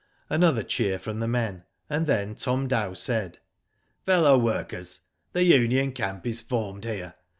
Another cheer from the men, and then Tom Dow said :" Fellow Workers, — The union camp is formed here.